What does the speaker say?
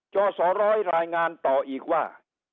สสร้อยรายงานต่ออีกว่า